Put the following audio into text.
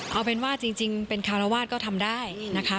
เอาเป็นว่าจริงเป็นคารวาสก็ทำได้นะคะ